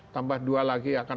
tambah dua lagi akan